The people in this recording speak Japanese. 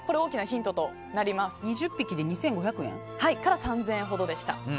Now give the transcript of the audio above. ２０匹で２５００円？から３０００円ほどでした。